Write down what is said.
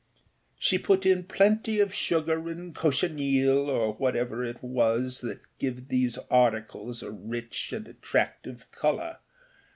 She put in plenty of sugar and of cochineal, or whatever it is that gives these articles a rich and attractive colour.